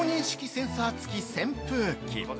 センサー付き扇風機！